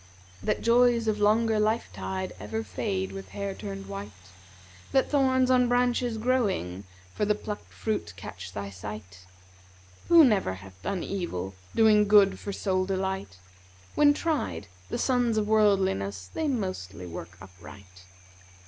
That joys of longer life tide * Ever fade with hair turned white? That thorns on branches growing * For the plucks fruit catch thy sight? Who never hath done evil,* Doing good for sole delight? When tried the sons of worldli * ness they mostly work upright."